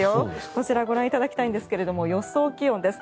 こちらご覧いただきたいんですが予想気温です。